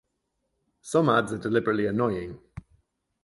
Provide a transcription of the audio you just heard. Some ads are deliberately annoying.